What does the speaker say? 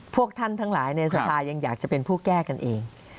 พวกท่านทั้งหลายในสภายังอยากจะเป็นผู้แก้กันเอง